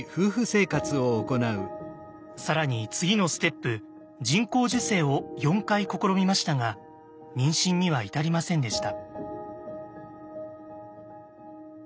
更に次のステップ人工授精を４回試みましたが妊娠には至りませんでした。